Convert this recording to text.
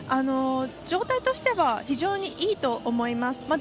状態としては非常にいいと思います。